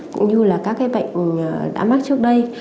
cũng như là các bệnh đã mắc trước đây